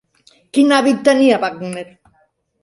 Quin hàbit tenia Wagner?